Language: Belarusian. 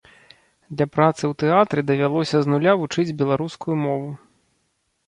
Для працы ў тэатры давялося з нуля вучыць беларускую мову.